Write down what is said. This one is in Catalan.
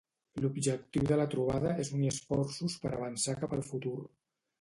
L'objectiu de la trobada és unir esforços per a avançar cap al futur.